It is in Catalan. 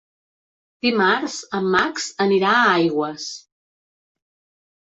Dimarts en Max anirà a Aigües.